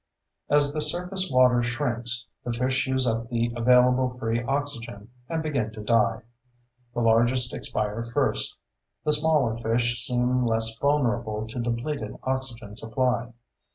As the surface water shrinks, the fish use up the available free oxygen and begin to die. The largest expire first; the smaller fish seem less vulnerable to depleted oxygen supply.